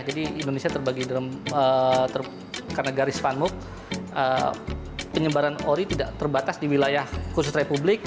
jadi indonesia terbagi dalam karena garis fanmob penyebaran ori tidak terbatas di wilayah khusus republik